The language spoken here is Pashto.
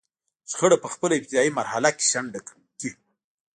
شخړه په خپله ابتدايي مرحله کې شنډه کړي.